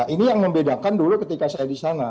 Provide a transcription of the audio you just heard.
ini yang membedakan dulu ketika saya di sana